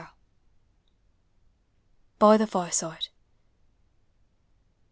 BY TIIE FIRESIDE.